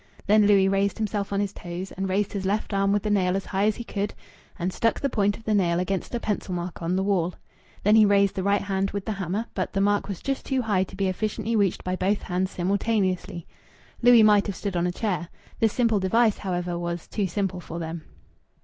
Then Louis raised himself on his toes, and raised his left arm with the nail as high as he could, and stuck the point of the nail against a pencil mark on the wall. Then he raised the right hand with the hammer; but the mark was just too high to be efficiently reached by both hands simultaneously. Louis might have stood on a chair. This simple device, however, was too simple for them.